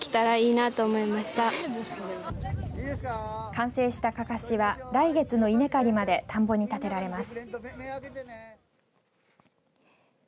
完成したかかしは来月の稲刈りまで田んぼに立てられます。